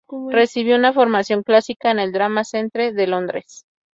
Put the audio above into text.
Recibió una formación clásica en el Drama Centre de Londres.